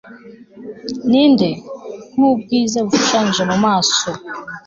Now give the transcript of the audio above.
ninde, nkubwiza bushushanya mu maso